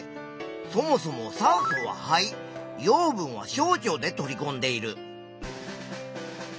そもそも酸素は肺養分は小腸で取りこんでいる。